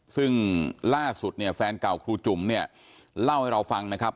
ซึ่งล่าสุดเนี่ยแฟนเก่าครูจุ๋มเนี่ยเล่าให้เราฟังนะครับ